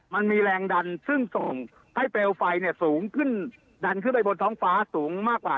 มันมีแรงดันซึ่งส่งให้เปลวไฟเนี่ยสูงขึ้นดันขึ้นไปบนท้องฟ้าสูงมากกว่า